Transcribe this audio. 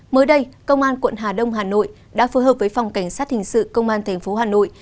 mới đây công an quận hà đông hà nội đã phối hợp với phòng cảnh sát hình sự công an tp hà nội